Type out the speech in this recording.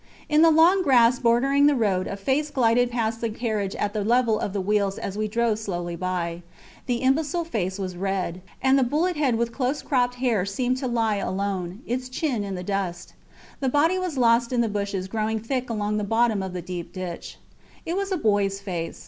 In the long grass bordering the road a face glided past the carriage at the level of the wheels as we drove slowly by. The imbecile face was red, and the bullet head with close cropped hair seemed to lie alone, its chin in the dust. The body was lost in the bushes growing thick along the bottom of the deep ditch. It was a boys face.